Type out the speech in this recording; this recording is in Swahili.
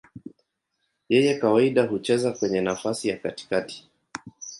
Yeye kawaida hucheza kwenye nafasi ya katikati.